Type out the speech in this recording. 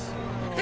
え？